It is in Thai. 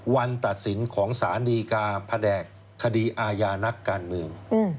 วันตัดสินของสารดีกาแผนกคดีอาญานักการเมือง